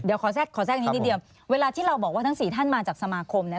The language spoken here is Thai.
เดี๋ยวขอแทรกนี้นิดเดียวเวลาที่เราบอกว่าทั้ง๔ท่านมาจากสมาคมเนี่ย